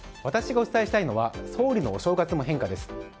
私がお伝えしたいのは総理のお正月も変化です。